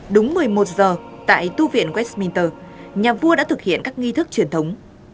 đúng một mươi một giờ tại tu viện westminster nhà vua đã thực hiện các nghi thức truyền thống